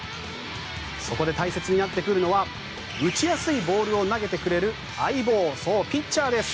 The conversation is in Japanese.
そこで大切になってくるのは打ちやすいボールを投げてくれる相棒、そうピッチャーです。